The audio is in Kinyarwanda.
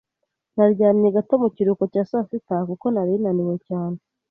Naryamye gato mu kiruhuko cya saa sita kuko nari naniwe cyane.